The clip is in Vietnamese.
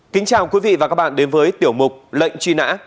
kính chào quý vị và các bạn đến với tiểu mục lệnh truy nã